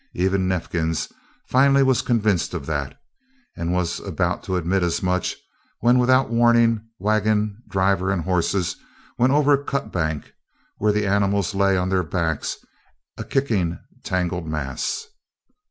Even Neifkins finally was convinced of that, and was about to admit as much when, without warning, wagon, driver and horses went over a cut bank, where the animals lay on their backs, a kicking tangled mass.